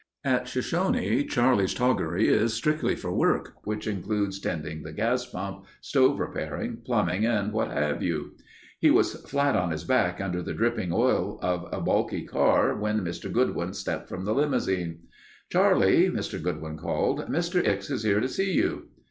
At Shoshone Charlie's toggery is strictly for work which includes tending the gas pump, stove repairing, plumbing, and what have you. He was flat on his back under the dripping oil of a balky car when Mr. Goodwin stepped from the limousine. "Charlie," Mr. Goodwin called, "Mr. Ickes is here to see you."